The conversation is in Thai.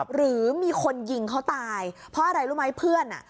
หรือมีคนยิงเขาตายเพราะอะไรรู้ไหมเพื่อนอ่ะ